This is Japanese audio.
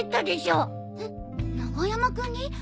えっ長山君に？